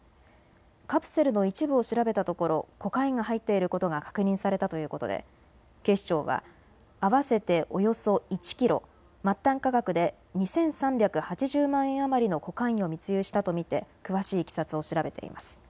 カプセルの一部を調べたところコカインが入っていることが確認されたということで警視庁は合わせておよそ１キロ、末端価格で２３８０万円余りのコカインを密輸したと見て詳しいいきさつを調べています。